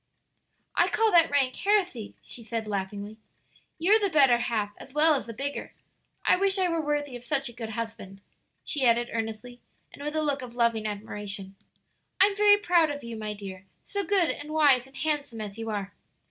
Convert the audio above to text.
"I call that rank heresy," she said laughing, "you're the better half as well as the bigger. I wish I were worthy of such a good husband," she added earnestly and with a look of loving admiration. "I'm very proud of you, my dear so good and wise and handsome as you are!"